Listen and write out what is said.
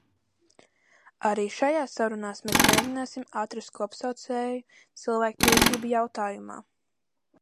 Arī šajās sarunās mēs mēģināsim atrast kopsaucēju cilvēktiesību jautājumā.